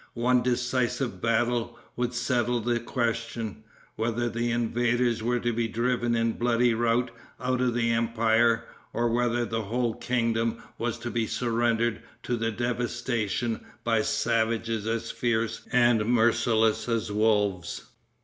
One decisive battle would settle the question, whether the invaders were to be driven in bloody rout out of the empire, or, whether the whole kingdom was to be surrendered to devastation by savages as fierce and merciless as wolves.